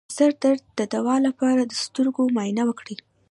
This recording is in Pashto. د سر درد د دوام لپاره د سترګو معاینه وکړئ